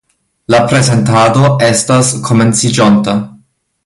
La prezentado estas komenciĝonta.